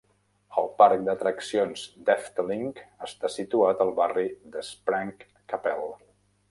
El parc d'atraccions d'Efteling està situat al barri de Sprang-Capelle.